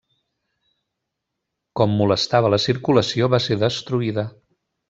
Com molestava la circulació va ser destruïda.